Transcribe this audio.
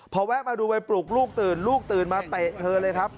พอแวะมาดูไปปลุกลูกตื่นลูกตื่นมาเตะเธอเลยครับ